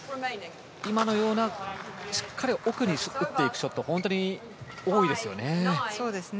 今のようなしっかり奥に打っていくショットが本当に多いですよね。